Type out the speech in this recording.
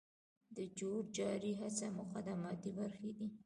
د جور جارې هڅې مقدماتي برخي دي.